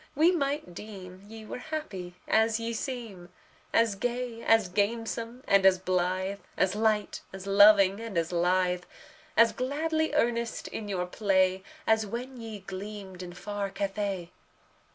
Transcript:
we might deem Ye were happy as ye seem As gay, as gamesome, and as blithe, As light, as loving, and as lithe, As gladly earnest in your play, As when ye gleamed in far Cathay.